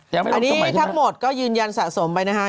อันนี้ทั้งหมดก็ยืนยันสะสมไปนะฮะ